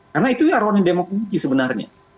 karena itu ya ironi demokrasi sebenarnya